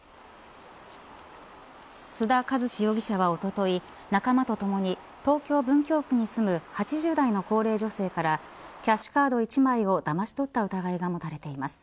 須田一士容疑者はおととい仲間とともに東京・文京区に住む８０代の高齢女性からキャッシュカード１枚をだまし取った疑いが持たれています。